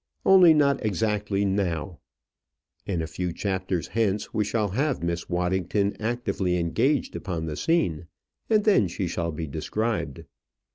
Only not exactly now; in a few chapters hence we shall have Miss Waddington actively engaged upon the scene, and then she shall be described.